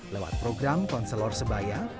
lewat program konselor sebaya